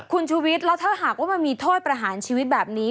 คุณชุวิตแล้วถ้าหากว่ามันมีโทษประหารชีวิตแบบนี้